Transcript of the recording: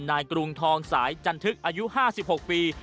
กรุงทองสายจันทึกอายุ๕๖ปี